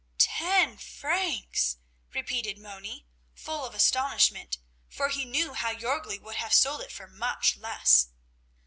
"Ten francs!" repeated Moni, full of astonishment, for he knew how Jörgli would have sold it for much less.